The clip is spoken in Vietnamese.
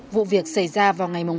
vụ việc xảy ra vào ngày hai tháng tám